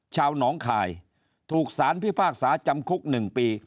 น้องคายถูกสารพิพากษาจำคุก๑ปี